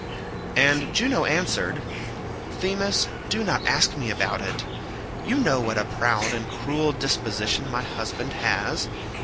And Juno answered, "Themis, do not ask me about it. You know what a proud and cruel disposition my husband has.